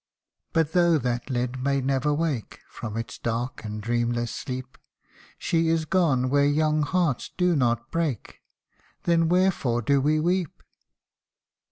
But though that lid may never wake From its dark and dreamless sleep, She is gone where young hearts do not break Then wherefore do we weep